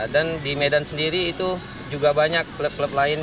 dan di medan sendiri itu juga banyak klub klub lain